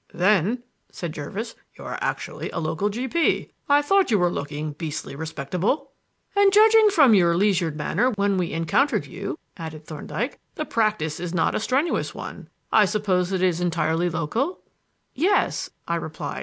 "Then," said Jervis, "you are actually a local G.P. I thought you were looking beastly respectable." "And judging from your leisured manner when we encountered you," added Thorndyke, "the practise is not a strenuous one. I suppose it is entirely local?" "Yes," I replied.